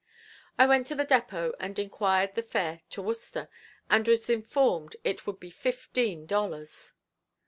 I went to the depot and inquired the fare to Worcester, and was informed it would be fifteen dollars.